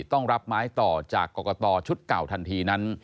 ต้องรับไม้ต่อจากกรกตชุดเก่าทันทีนั้น